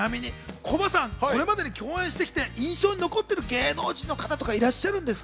コバさん、共演してきて印象に残ってる芸能人の方とかいらっしゃいますか？